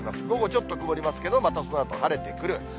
午後ちょっと曇りますけれども、またそのあと晴れてくる。